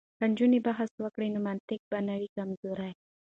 که نجونې بحث وکړي نو منطق به نه وي کمزوری.